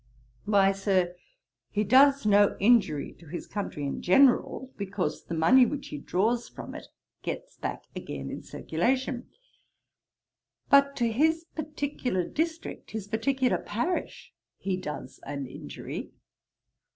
'Why, Sir, he does no injury to his country in general, because the money which he draws from it gets back again in circulation; but to his particular district, his particular parish, he does an injury.